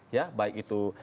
ya baik itu